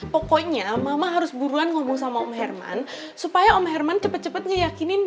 pokoknya mama harus buruan ngomong sama om herman supaya om herman cepat cepat ngeyakinin